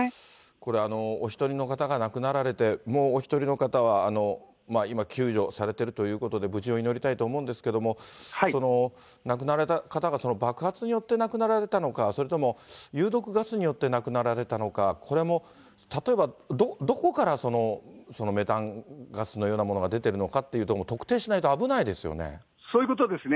これ、お１人の方が亡くなられて、もうお１人の方は今、救助されているということで、無事を祈りたいと思うんですけども、亡くなられた方が爆発によって亡くなられたのか、それとも有毒ガスによって亡くなられたのか、これも、例えば、どこからそのメタンガスのようなものが出てるのかというところもそういうことですね。